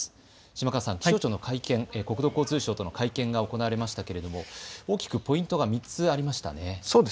島川さん、気象庁と国土交通省の会見が行われましたが大きくポイントは２点ありましたね。